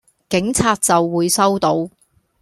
警察就會收到